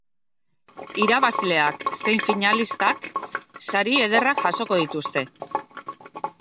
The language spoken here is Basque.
Irabazleak zein finalistak sari ederrak jasoko dituzte.